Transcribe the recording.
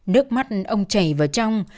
nước mắt ông chảy vào trong